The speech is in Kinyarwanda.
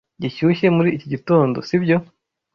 Gishyushye muri iki gitondo, sibyo?